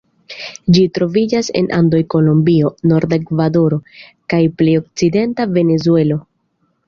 Ĝi troviĝas en Andoj en Kolombio, norda Ekvadoro, kaj plej okcidenta Venezuelo.